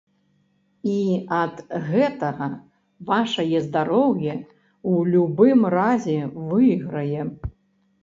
І ад гэтага вашае здароўе ў любым разе выйграе.